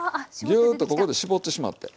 ギューッとここで絞ってしまって。